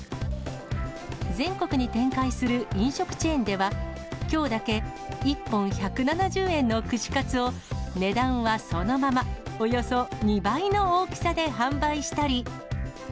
全国に展開する飲食チェーンでは、きょうだけ１本１７０円の串カツを、値段はそのまま、およそ２倍の大きさで販売したり。